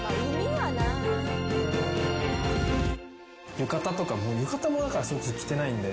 浴衣とか浴衣もだから着てないんで。